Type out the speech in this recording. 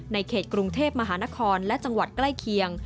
ในเขตกรุงเทพมหานครและจังหวัดใกล้เคียง